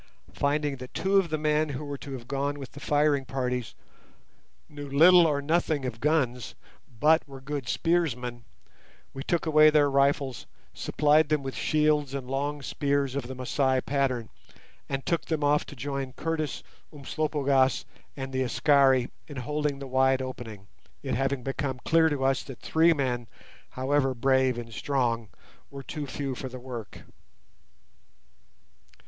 Finding that two of the men who were to have gone with the firing parties knew little or nothing of guns, but were good spearsmen, we took away their rifles, supplied them with shields and long spears of the Masai pattern, and took them off to join Curtis, Umslopogaas, and the Askari in holding the wide opening; it having become clear to us that three men, however brave and strong, were too few for the work.